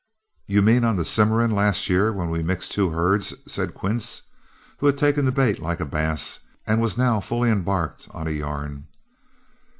"You mean on the Cimarron last year when we mixed two herds," said Quince, who had taken the bait like a bass and was now fully embarked on a yarn.